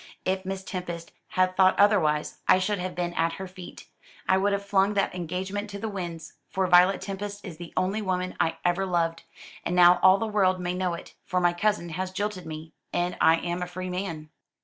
If Miss Tempest had thought otherwise, I should have been at her feet. I would have flung that engagement to the winds; for Violet Tempest is the only woman I ever loved. And now all the world may know it, for my cousin has jilted me, and I am a free man."